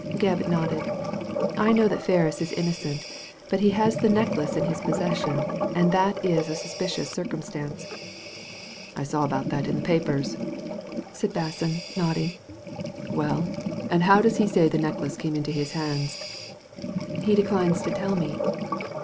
Gebb nodded. I know that Ferris is innocent, but he had the necklace in his possession, and that is a suspicious circumstance." ''I saw about that in the papers," said Basson, Digitized by Google 166 THE LADY FROM NOWHERE nodding. " Well, and how does he say the necklace came into his hands ?"" He declines to tell me."